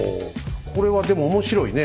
これはでも面白いね。